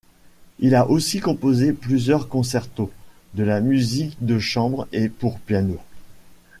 Il a aussi composé plusieurs concertos, de la musique de chambre et pour piano.